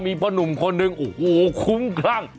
มีพ่อนุ่มคนหนึ่งโอ้โฮครุ่งคร่าง